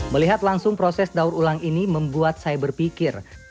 melihat langsung proses daur ulang ini membuat saya berpikir